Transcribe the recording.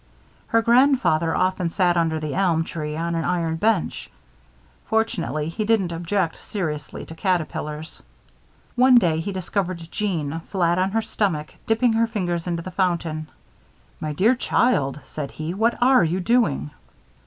Her grandfather often sat under the elm tree on an iron bench. Fortunately, he didn't object seriously to caterpillars. One day, he discovered Jeanne, flat on her stomach, dipping her fingers into the fountain. "My dear child!" said he, "what are you doing?"